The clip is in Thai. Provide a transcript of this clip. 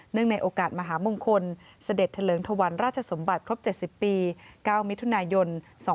เนื่องในโอกาสมหามงคลเสด็จเฉลิมทวรรณราชสมบัติครบ๗๐ปี๙มิถุนายน๒๕๕๙